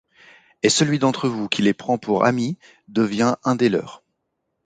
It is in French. Et celui d'entre vous qui les prend pour amis, devient un des leurs.